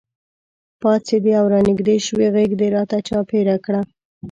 پاڅېدې او رانږدې شوې غېږ دې راته چاپېره کړه.